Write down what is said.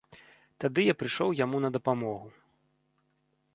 Тады я прыйшоў яму на дапамагу.